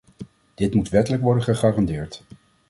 Dit moet wettelijk worden gegarandeerd.